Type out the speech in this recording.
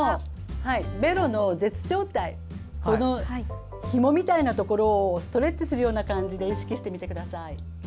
ベロの舌小帯ひもみたいなところをストレッチするような感じで意識してやってみてください。